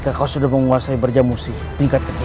ketika kau sudah menguasai berjamusi tingkat ketiga